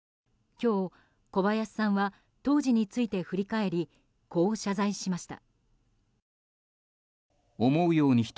今日、小林さんは当時について振り返り、こう謝罪しました。